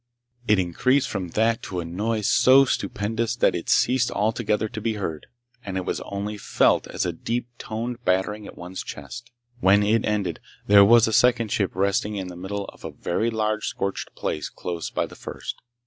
It increased from that to a noise so stupendous that it ceased altogether to be heard, and was only felt as a deep toned battering at one's chest. When it ended there was a second ship resting in the middle of a very large scorched place close by the first.